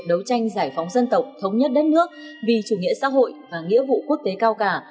đấu tranh giải phóng dân tộc thống nhất đất nước vì chủ nghĩa xã hội và nghĩa vụ quốc tế cao cả